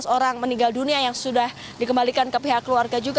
lima belas orang meninggal dunia yang sudah dikembalikan ke pihak keluarga juga